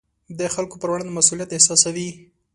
د خلکو پر وړاندې مسوولیت احساسوي.